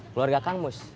keluarga kang mus